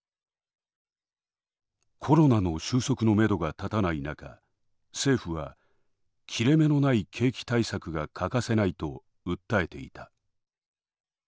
「コロナの収束のめどが立たない中政府は切れ目のない景気対策が欠かせないと訴えていた。